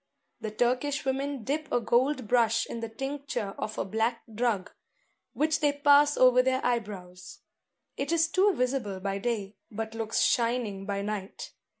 The Turkish women dip a gold brush in the tincture of a black drug, which they pass over their eye brows. It is too visible by day, but looks shining by night.